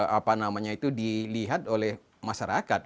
jadi apa namanya itu dilihat oleh masyarakat